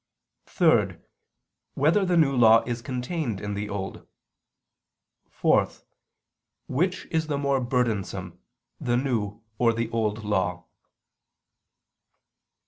(3) Whether the New Law is contained in the Old? (4) Which is the more burdensome, the New or the Old Law?